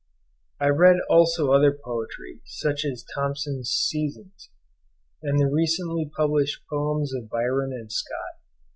I read also other poetry, such as Thomson's 'Seasons,' and the recently published poems of Byron and Scott.